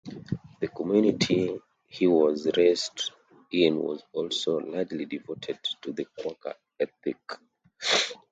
The community he was raised in was also largely devoted to the Quaker ethic.